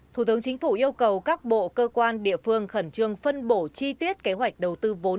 thủ tướng chính phủ yêu cầu các bộ cơ quan địa phương khẩn trương phân bổ chi tiết kế hoạch đầu tư vốn